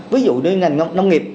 ví dụ như ngành nông nghiệp